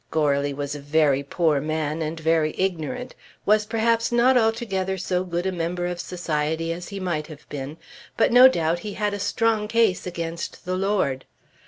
Goarly was a very poor man, and very ignorant; was perhaps not altogether so good a member of society as he might have been; but no doubt he had a strong case against the lord.